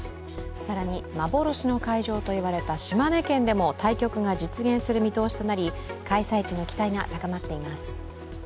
更に幻の会場といわれた島根県でも対局が実現する見通しとなり開催地の期待が高まっています。